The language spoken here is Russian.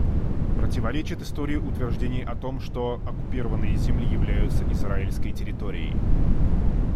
Противоречит истории утверждение о том, что оккупированные земли являются израильской территорией.